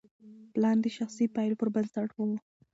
پلان د شخصي پایلو پر بنسټ و.